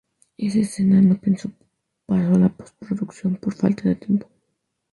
Esa escena no pasó de la postproducción por falta de tiempo.